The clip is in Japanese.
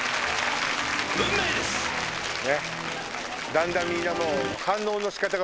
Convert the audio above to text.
だんだんみんな。